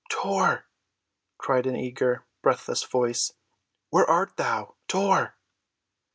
"Tor," cried an eager, breathless voice. "Where art thou?—Tor!"